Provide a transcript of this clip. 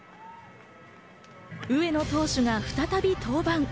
上野投手が再び登板。